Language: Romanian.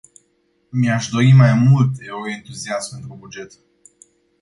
Mi-aș dori mai mult euroentuziasm pentru buget.